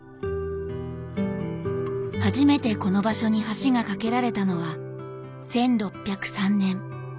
初めてこの場所に橋が架けられたのは１６０３年。